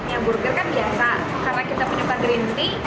ya burger kan biasa karena kita penyuka green tea